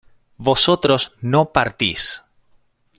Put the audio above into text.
vosotros no partís